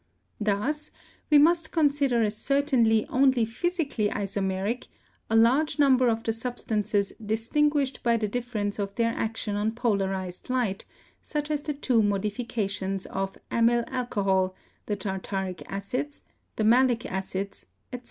... Thus we must consider as certainly only physically isomeric a large num ber of the substances distinguished by the difference o£ their action on polarized light, such as the two modifica tions of amyl alcohol, the tartaric acids, the malic acids, etc."